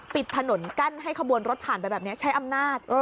ปิดถนนกั้นให้ขบวนรถผ่านไปแบบนี้ใช้อำนาจ